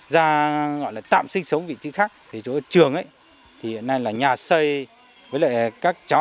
ra gọi là tạm sinh sống vị trí khác thì chỗ ở trường thì hiện nay là nhà xây với lại các cháu